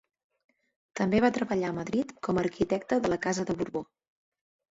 També va treballar a Madrid com a arquitecte de la casa de Borbó.